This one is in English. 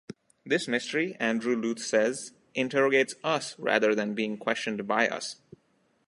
This mystery, Andrew Louth says, interrogates us rather than being questioned by us.